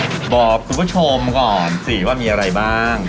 เฮียเผินบอกคุณผู้ชมก่อนสิว่ามีอะไรบ้าง